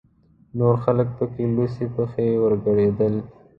نور خلک پکې لوڅې پښې ورګډېدل.